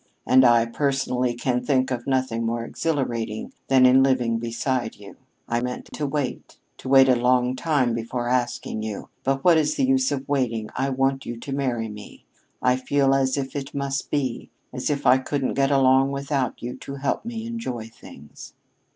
"And I, personally, can think of nothing more exhilarating than in living beside you. I meant to wait to wait a long time before asking you. But what is the use of waiting? I want you to marry me. I feel as if it must be as if I couldn't get along without you to help me enjoy things."